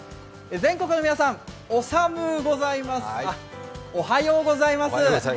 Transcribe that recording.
全国の皆さん、お寒うございますおはようございます。